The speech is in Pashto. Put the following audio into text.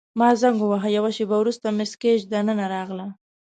ما زنګ وواهه، یوه شیبه وروسته مس ګیج دننه راغله.